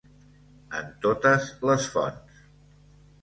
En totes les fonts.